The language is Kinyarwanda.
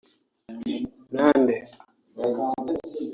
Nande